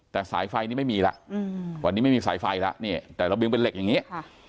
แต่สายไฟนี้ไม่มีแล้ววันนี้ไม่มีสายไฟแล้วนี่แต่ระเบียงเป็นเหล็กอย่างนี้